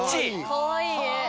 かわいい絵。